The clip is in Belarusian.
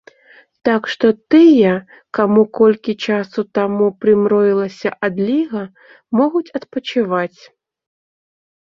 Так што тыя, каму колькі часу таму прымроілася адліга, могуць адпачываць.